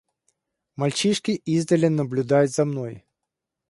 Мальчишки издали наблюдают за мной.